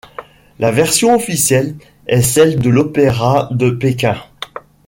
La version officielle est celle de l'opéra de Pékin.